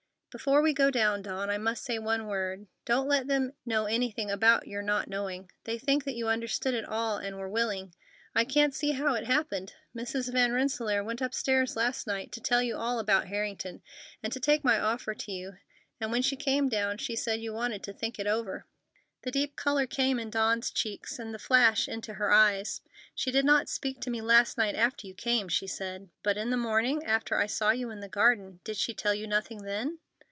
"Before we go down, Dawn, I must say one word. Don't let them know anything about your not knowing. They think that you understood it all and were willing. I can't see how it happened. Mrs. Van Rensselaer went upstairs last night to tell you all about Harrington, and to take my offer to you, and when she came down she said you wanted to think it over." The deep color came in Dawn's cheeks, and the flash into her eyes. "She did not speak to me last night after you came," she said. "But in the morning, after I saw you in the garden—did she tell you nothing then?"